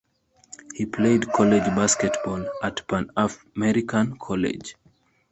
He played college basketball at Pan American College.